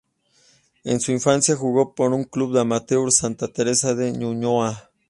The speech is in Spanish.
En su infancia, jugó por el club amateur Santa Teresa de Ñuñoa.